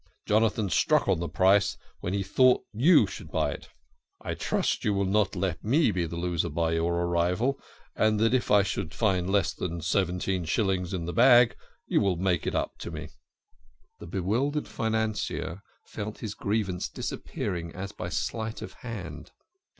Jonathan stuck on the price when he thought you would buy. I trust you will not let me be the loser by your arrival, and that if I should find less than seventeen shillings in the bag you will make it up to me." THE KING OF SCHNORRERS. 19 The bewildered financier felt his grievance disappearing as by sleight of hand.